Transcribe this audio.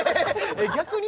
逆に？